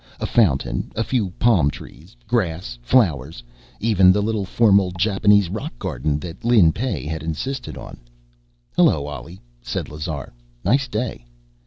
A fountain, a few palm trees, grass, flowers, even the little formal Japanese rock garden that Lin Pey had insisted on. "Hello, Ollie," said Lazar. "Nice day."